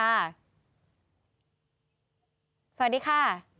สวัสดีค่ะ